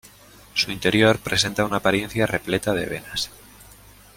Su interior presenta una apariencia repleta de venas.